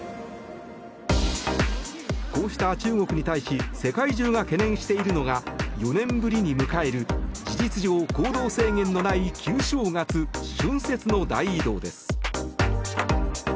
こうした中国に対し世界中が懸念しているのが４年ぶりに迎える事実上、行動制限のない旧正月春節の大移動です。